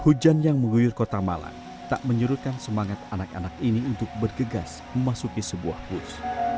hujan yang mengguyur kota malang tak menyurutkan semangat anak anak ini untuk bergegas memasuki sebuah bus